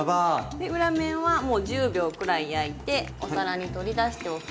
で裏面はもう１０秒くらい焼いてお皿に取り出しておきます。